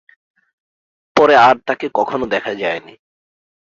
পরে আর তাকে কখনও দেখা যায়নি।